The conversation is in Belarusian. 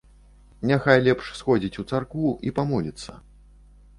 Няхай лепш сходзіць у царкву і памоліцца.